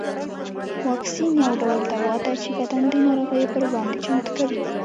واکسین یو ډول دوا ده چې بدن د ناروغیو پر وړاندې چمتو کوي